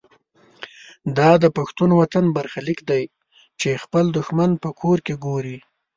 دا د پښتون وطن برخلیک دی چې خپل دښمن په کور کې ګوري.